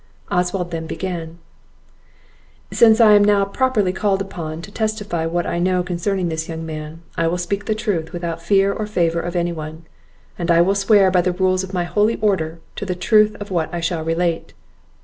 Oswald then began "Since I am now properly called upon to testify what I know concerning this young man, I will speak the truth, without fear or favour of any one; and I will swear, by the rules of my holy order, to the truth of what I shall relate."